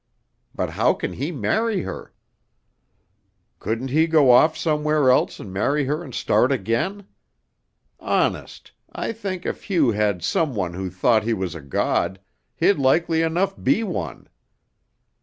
But how can he marry her?" "Couldn't he go off somewhere else and marry her and start again? Honest, I think if Hugh had some one who thought he was a god, he'd likely enough be one.